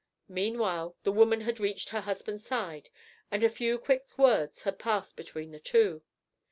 Meanwhile the woman had reached her husband's side, and a few quick words had passed between the two.